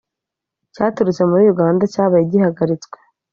Cyaturutse muri uganda cyabaye gihagaritswe